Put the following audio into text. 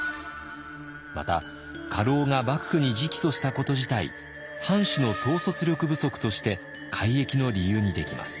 また家老が幕府に直訴したこと自体藩主の統率力不足として改易の理由にできます。